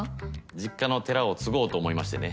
実家の寺を継ごうと思いましてね。